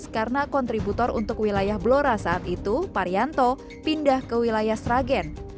karena kontributor untuk wilayah blora saat itu parianto pindah ke wilayah sragen